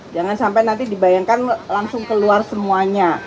jangan sampai nanti dibayangkan langsung keluar semuanya